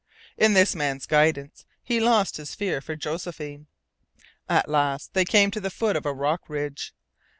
In this man's guidance he lost his fear for Josephine. At last they came to the foot of a rock ridge.